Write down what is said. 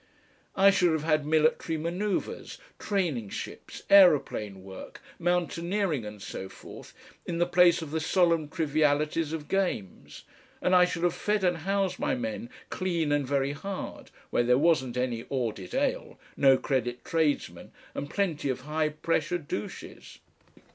I should have had military manoeuvres, training ships, aeroplane work, mountaineering and so forth, in the place of the solemn trivialities of games, and I should have fed and housed my men clean and very hard where there wasn't any audit ale, no credit tradesmen, and plenty of high pressure douches....